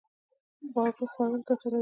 خواږه خوړل ګټه لري